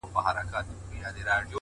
ستا د سونډو د خندا په خاليگاه كي.!